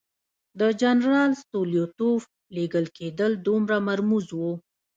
د جنرال ستولیتوف لېږل کېدل دومره مرموز وو.